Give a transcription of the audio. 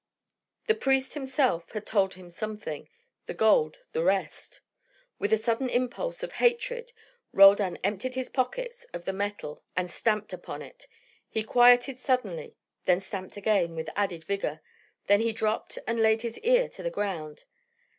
The priest himself had told him something, the gold the rest. With a sudden impulse of hatred Roldan emptied his pockets of the metal and stamped upon it. He quieted suddenly, then stamped again, with added vigour. Then he dropped and laid his ear to the ground.